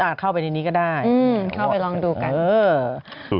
อ่ะเข้าไปในนี้ก็ได้อือเข้าไปลองดูกันเออ